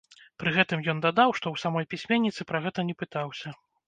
Пры гэтым ён дадаў, што ў самой пісьменніцы пра гэта не пытаўся.